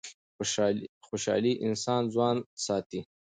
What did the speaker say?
خوشحالي انسان ځوان ساتي.